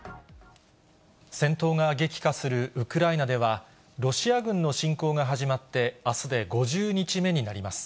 戦闘が激化するウクライナでは、ロシア軍の侵攻が始まってあすで５０日目になります。